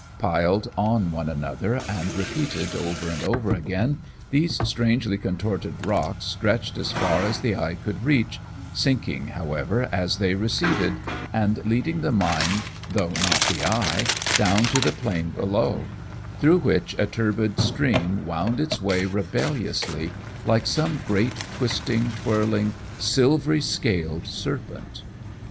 Piled on one another, and repeated over and over again, these strangely contorted rocks stretched as far as the eye could reach, sinking, however, as they receded, and leading the mind, though not the eye, down to the plain below, through which a turbid stream wound its way rebelliously, like some great twisting, twirling, silvery scaled serpent.